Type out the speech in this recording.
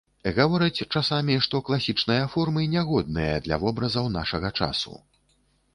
Гавораць часамі, што класічныя формы нягодныя для вобразаў нашага часу.